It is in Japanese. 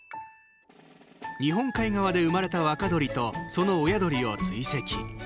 日本海側で生まれた若鳥とその親鳥を追跡。